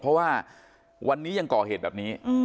เพราะว่าวันนี้ยังก่อเหตุแบบนี้